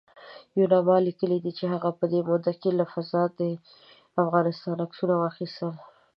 یوناما لیکلي چې هغه په دې موده کې له فضا د افغانستان عکسونه واخیستل